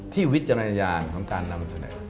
วิจารณญาณของการนำเสนอ